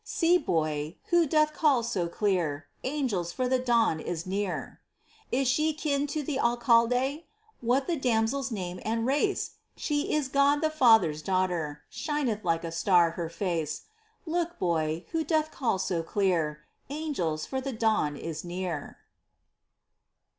See, boy, who doth call so clear ! Angels, for the Dawn is near. Is she kin to the Alcalde ? What the damsel's name and race ?— She is God the Father's daughter ; Shineth like a star her face ! Look, boy, who doth call so clear ! Angels, for the Dawn is near